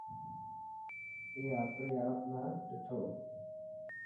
اي آپري آپ نا ڏٺو.